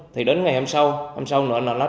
thì đến ngày hôm sau